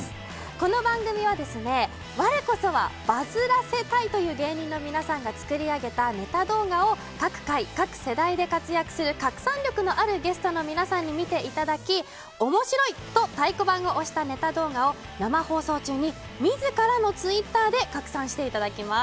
この番組は我こそはバズらせたいという芸人の皆さんが作り上げたネタ動画を各界、各世代で活躍する拡散力のあるゲストの皆さんに見ていただき、面白いと太鼓判を押したネタ動画を生放送中に自らのツイッターでカクサンしていただきます。